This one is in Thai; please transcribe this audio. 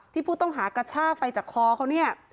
ที่ผู้ต้องหากระชากไปจากคอเขาเนี่ย